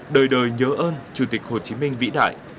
đời đời nhớ ơn chủ tịch hồ chí minh vĩ đại